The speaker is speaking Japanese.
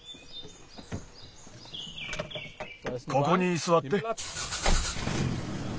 ここにすわって。